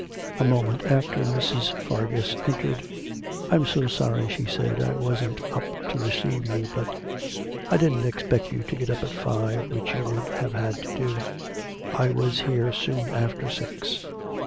A moment after Mrs. Fargus entered. 'I'm so sorry,' she said, 'I wasn't up to receive you, but ' 'I didn't expect you to get up at five, which you would have had to do. I was here soon after six.'